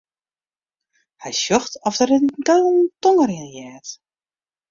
Hy sjocht oft er it yn Keulen tongerjen heart.